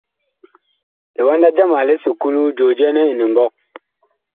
Liwanda jama li esuklu, joo jɛɛ nɛ Inimɓɔg.